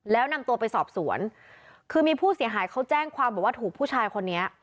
แล้วนำตัวไปสอบสวนคือมีผู้เสียหายเขาแจ้งความบอกว่าถูกผู้ชายคนนี้